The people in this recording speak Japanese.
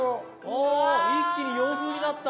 お一気に洋風になった！